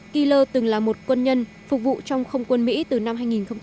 keo từng là một quân nhân phục vụ trong không quân mỹ từ năm hai nghìn một mươi